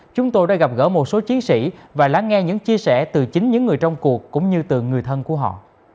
chúng tôi đã gặp gỡ một số chiến sĩ và lắng nghe những chia sẻ từ chính những người trong cuộc cũng như từ người thân của họ